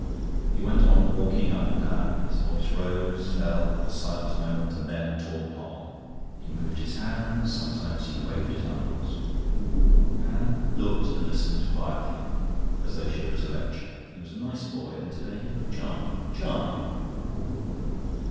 He went on walking up and down. His voice rose, fell, was silent a moment, and then talked on. He moved his hands, sometimes he waved his arms. Anne looked and listened quietly, as though she were at a lecture. He was a nice boy, and to day he looked charming charming!